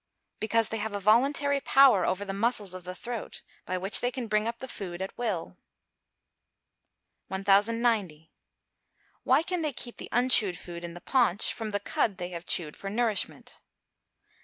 _ Because they have a voluntary power over the muscles of the throat, by which they can bring up the food at will. 1090. _Why can they keep the unchewed food in the paunch, from the "cud" they have chewed for nourishment?